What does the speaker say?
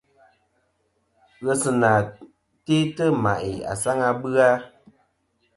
Ghesɨnà te'tɨ ma'i asaŋ a bɨ-a.